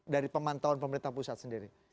dari pemantauan pemerintah pusat sendiri